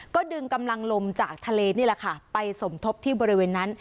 ก็ดึงกำลังลมจากทะเลนี่แหละค่ะไปสมทบที่บริเวณนั้น